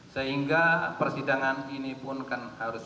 sehingga persidangan ini pun kan harus